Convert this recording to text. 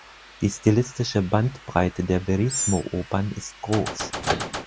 Die stilistische Bandbreite der Verismo-Opern ist groß.